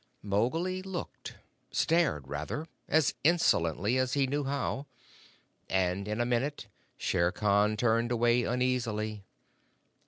Mowgli looked stared, rather as insolently as he knew how, and in a minute Shere Khan turned away uneasily.